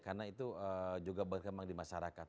karena itu juga berkembang di masyarakat